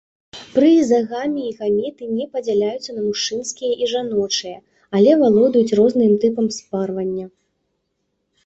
Пры ізагаміі гаметы не падзяляюцца на мужчынскія і жаночыя, але валодаюць розным тыпам спарвання.